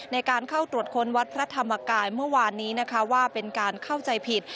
ในการเข้าตรวจค้นวัดพระธรรมกายเมื่อวานนี้นะคะว่าเป็นการเข้าใจผิด